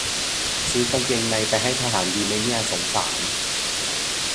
ซื้อกางเกงในไปให้ทหารดีมั้ยเนี่ย สงสาร